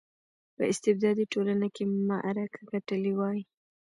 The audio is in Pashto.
په استبدادي ټولنه کې معرکه ګټلې وای.